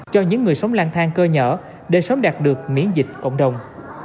cho những người sống lang thang cơ nhở để sớm đạt được miễn dịch cộng đồng